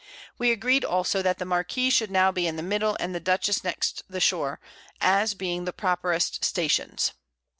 We agreed also, that the Marquiss should now be in the middle, and the Dutchess next the Shore, as being the properest Stations.